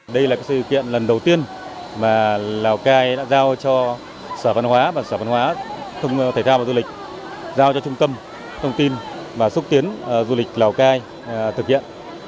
đây là sự kiện lần đầu tiên mà lào cai đã giao cho sở văn hóa và sở văn hóa thông thể thao và du lịch giao cho trung tâm thông tin và xúc tiến du lịch lào cai thực hiện